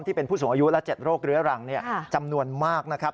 ที่เป็นผู้สูงอายุและ๗โรคเรื้อรังจำนวนมากนะครับ